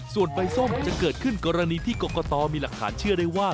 ส่วนใบส้มจะเกิดขึ้นกรณีที่กรกตมีหลักฐานเชื่อได้ว่า